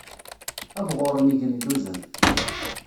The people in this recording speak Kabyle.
Ad ɣuren yigenduzen.